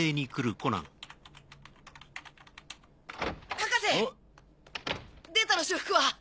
博士データの修復は？